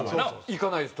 行かないです